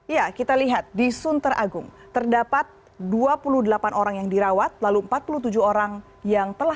ya kita lihat di sunter agung terdapat dua puluh delapan orang yang dirawat lalu empat puluh tujuh orang yang telah